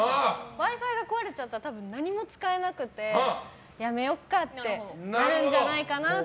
Ｗｉ‐Ｆｉが壊れちゃったら多分、何も使えなくてやめようかってなるんじゃないかなと。